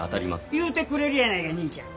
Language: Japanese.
言うてくれるやないかにいちゃん。